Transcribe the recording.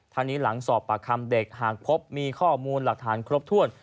ทั้งนี้หลังสอบปากคำเด็กหากพบมีข้อมูลหลักฐานครบถ้วน